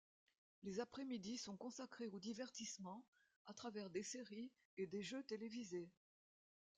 Les après-midi sont consacrés au divertissement, à travers des séries et des jeux télévisés.